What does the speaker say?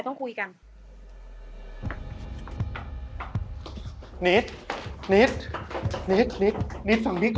เหลือเจ้าต่อไป